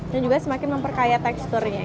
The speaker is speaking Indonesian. dan juga semakin memperkaya teksturnya